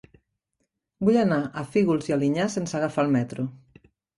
Vull anar a Fígols i Alinyà sense agafar el metro.